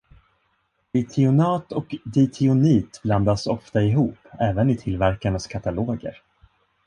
Ditionat och ditionit blandas ofta ihop, även i tillverkarnas kataloger.